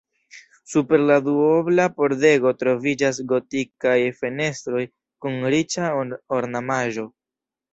Super la duobla pordego troviĝas gotikaj fenestroj kun riĉa ornamaĵo.